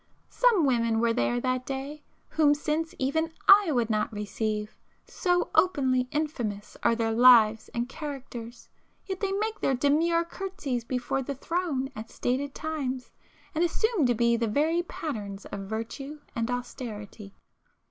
Some women were there that day whom since even I would not receive—so openly infamous are their lives and characters, yet they make their demure curtseys before the Throne at stated times, and assume to be the very patterns of virtue and austerity.